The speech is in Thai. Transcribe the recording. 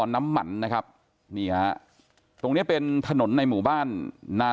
น้ำมันนะครับนี่ฮะตรงเนี้ยเป็นถนนในหมู่บ้านนา